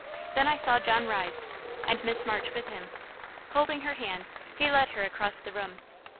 Then I saw John rise, and Miss March with him. Holding her hand, he led her across the room.